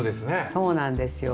そうなんですよ。